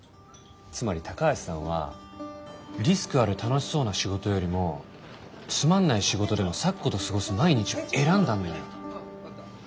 つまり高橋さんはリスクある楽しそうな仕事よりもつまんない仕事でも咲子と過ごす毎日を選んだんだよ。